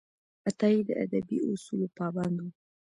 عطايي د ادبي اصولو پابند و.